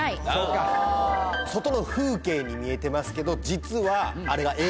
外の風景に見えてますけど実はあれが。